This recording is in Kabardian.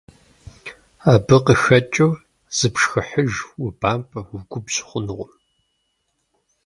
Абы къыхэкӀыу, зыпшхыхьыж, убампӀэ, угубжь хъунукъым.